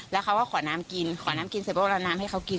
แล้วเขาก็ขอน้ำกินขอน้ำกินเสร็จปุ๊บเอาน้ำให้เขากิน